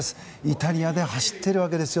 イタリアで走っているわけです。